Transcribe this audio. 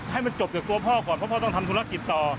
ให้มันจบจากตัวพ่อก่อนเพราะพ่อต้องทำธุรกิจต่อ